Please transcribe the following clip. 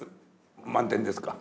満点ですか？